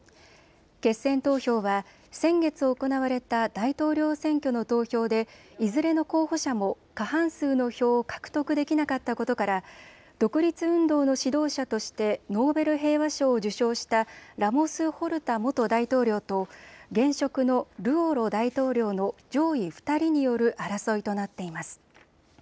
決選投票は先月行われた大統領選挙の投票でいずれの候補者も過半数の票を獲得できなかったことから独立運動の指導者としてノーベル平和賞を受賞したラモス・ホルタ元大統領と現職のルオロ大統領の上位２人による争いとなっています。